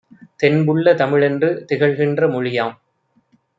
தென்புள்ள தமிழென்று திகழ்கின்ற மொழியாம்.